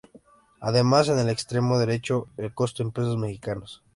Además en el extremo derecho el costo en pesos mexicanos.